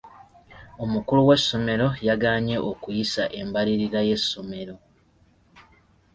Omukulu w'essomero yagaanye okuyisa embalirira y'essomero.